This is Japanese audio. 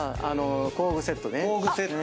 あの工具セットね。